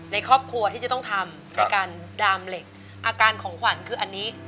ในครอบครัวที่จะต้องทำในการดามเหล็กอาการของขวัญคืออันนี้